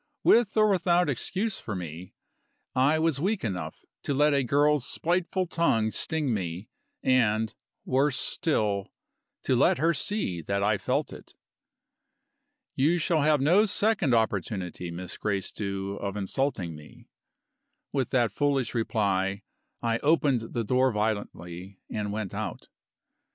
With or without excuse for me, I was weak enough to let a girl's spiteful tongue sting me, and, worse still, to let her see that I felt it. "You shall have no second opportunity, Miss Gracedieu, of insulting me." With that foolish reply, I opened the door violently and went out.